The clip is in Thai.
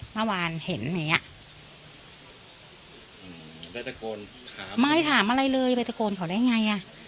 เมื่อวานเห็นไหมอ่ะอืมไปตะโกนไม่ถามอะไรเลยไปตะโกนเขาได้ไงอ่ะ